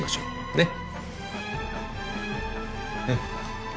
ねっ。